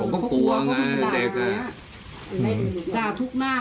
พวกเขาวิ่งหนีจากเรานะ